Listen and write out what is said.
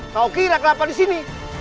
kau kira kelapa di sini